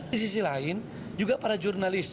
di sisi lain juga para jurnalis